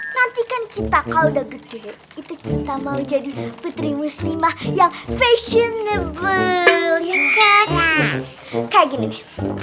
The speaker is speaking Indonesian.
nanti kan kita kalau udah gede itu kita mau jadi putri muslimah yang fashionama melihat kayak gini nih